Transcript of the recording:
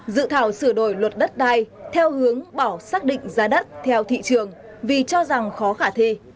dự thảo sửa đổi luật đất đai theo hướng bảo xác định giá đất theo thị trường vì cho rằng khó khả thi